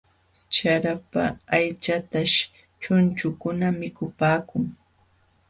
Charapa aychataśh chunchukuna mikupaakun.